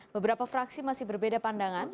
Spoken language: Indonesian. beberapa fraksi masih berbeda pandangan